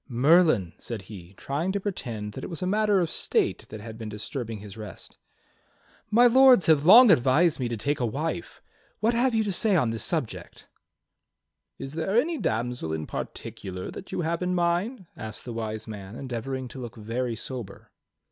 "Merlin," said he, trying to pretend that it was a matter of state that had been disturbing his rest. "My Lords have long advised me to take a wife. What have you to say on this subject.^" "Is there any damsel in particular that you have in mind.^" asked the Wise Man, endeavoring to look very sober.